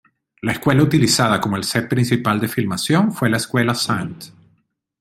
La escuela utilizada como el set principal de filmación, fue la Escuela St.